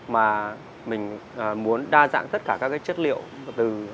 mà mình muốn đa dạng tất cả các cái chất liệu từ